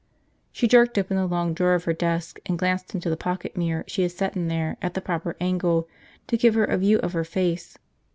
She jerked open the long drawer of her desk and glanced into the pocket mirror she had set in there at the proper angle to give her a view of her face.